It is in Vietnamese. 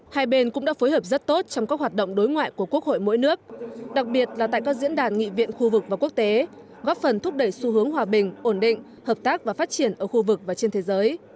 hai bên cũng đã phối hợp rất tốt trong các hoạt động đối ngoại của quốc hội mỗi nước đặc biệt là tại các diễn đàn nghị viện khu vực và quốc tế góp phần thúc đẩy xu hướng hòa bình ổn định hợp tác và phát triển ở khu vực và trên thế giới